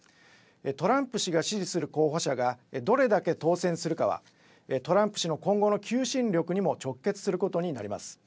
トランプ氏が支持する候補者がどれだけ当選するかはトランプ氏の今後の求心力にも直結することになります。